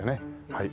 はい。